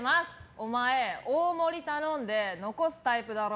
お前、大盛り頼んで残すタイプだろ？